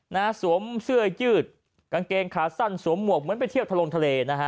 สวมเสื้อยืดกางเกงขาสั้นสวมหมวกเหมือนไปเที่ยวทะลงทะเลนะฮะ